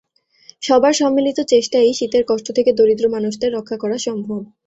সবার সম্মিলিত চেষ্টায়ই শীতের কষ্ট থেকে দরিদ্র মানুষদের রক্ষা করা সম্ভব।